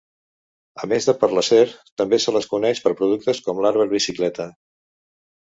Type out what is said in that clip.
A més de per l'acer, també se les coneix per productes com l'arbre bicicleta.